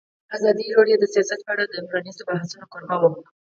ازادي راډیو د سیاست په اړه د پرانیستو بحثونو کوربه وه.